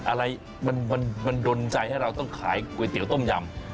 อะไรมันดนใจให้เราต้องขายก๋วยเตี๋ยต้มยำ